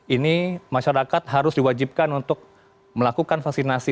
ini masyarakat harus diwajibkan untuk melakukan vaksinasi